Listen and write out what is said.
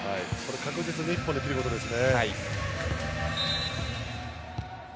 確実に１本でくるところですね。